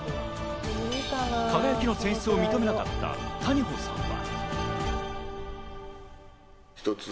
輝の選出を認めなかった谷保さんは。